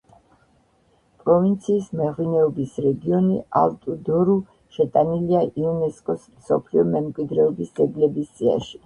პროვინციის მეღვინეობის რეგიონი ალტუ-დორუ შეტანილია იუნესკოს მსოფლიო მემკვიდრეობის ძეგლების სიაში.